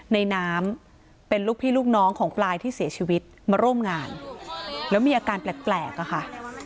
ในน้ำเป็นลูกพี่ลูกน้องของปลายที่เสียชีวิตมาร่วมงานแล้วมีอาการแปลกอะค่ะ